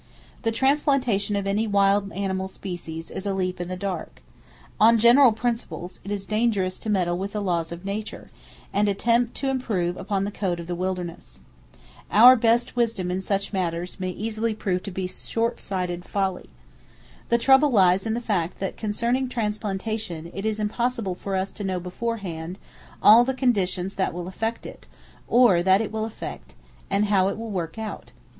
The transplantation of any wild animal species is a leap in the dark. On general principles it is dangerous to meddle with the laws of Nature, and attempt to improve upon the code of the wilderness. Our best wisdom in such matters may easily prove to be short sighted folly. The trouble lies in the fact that concerning transplantation it is impossible for us to know beforehand all the conditions that will affect it, or that it will effect, and how it will work out.